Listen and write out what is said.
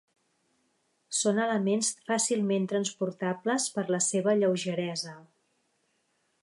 Són elements fàcilment transportables per la seva lleugeresa.